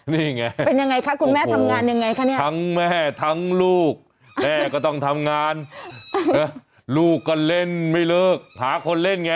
นี่ไงนี่ไงโอ้โฮทั้งแม่ทั้งลูกแม่ก็ต้องทำงานลูกก็เล่นไม่เลิกหาคนเล่นไง